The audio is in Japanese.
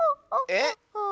えっ？